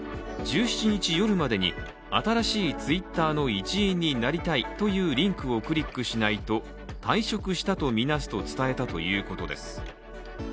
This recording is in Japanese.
１７日夜までに「新しいＴｗｉｔｔｅｒの一員になりたい」というリンクをクリックしないと退職したとみなすと伝えたということです。